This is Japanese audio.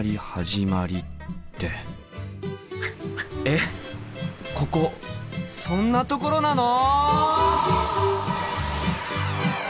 えっここそんなところなの！？